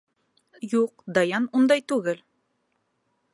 Юҡ, Даян ундай түгел.